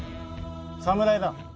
侍だ。